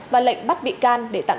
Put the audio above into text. và lệnh bắt bị can để tạm giam